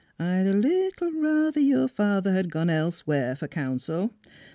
I'd a leetle rather your father had gone elsewhere for counsel.